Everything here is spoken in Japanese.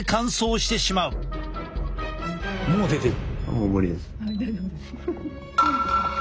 もう出てる。